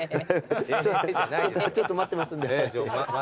ちょっと待ってますんで。